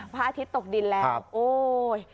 พระอาทิตย์ตกดินแล้วโอ๊ย